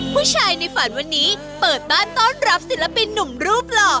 ผู้ชายในฝันวันนี้เปิดบ้านต้อนรับศิลปินหนุ่มรูปหล่อ